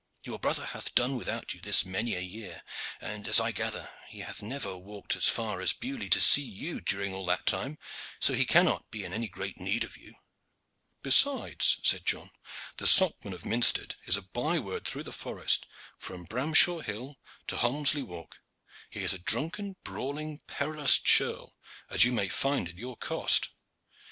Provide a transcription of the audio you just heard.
Your brother hath done without you this many a year, and, as I gather, he hath never walked as far as Beaulieu to see you during all that time, so he cannot be in any great need of you." "Besides," said John, "the Socman of Minstead is a by word through the forest, from Bramshaw Hill to Holmesley Walk. He is a drunken, brawling, perilous churl, as you may find to your cost."